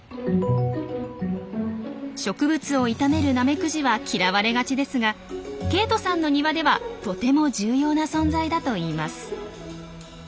植物を痛めるナメクジは嫌われがちですがケイトさんの庭ではとても重要な存在だといいます。